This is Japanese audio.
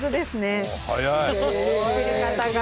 やり方が。